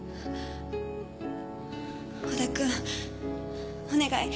織田くんお願い。